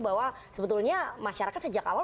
bahwa sebetulnya masyarakat sejak awal